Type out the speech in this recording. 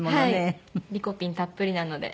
リコピンたっぷりなので。